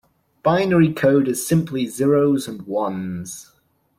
Binary code is simply zero's and ones.